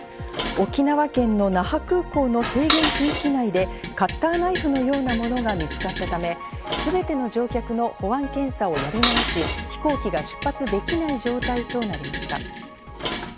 沖縄県の那覇空港の制限区域内で、カッターナイフのようなものが見つかったため、すべての乗客の保安検査をやり直し、飛行機が出発できない状態となりました。